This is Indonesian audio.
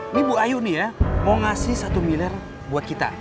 ini bu ayu nih ya mau ngasih satu miliar buat kita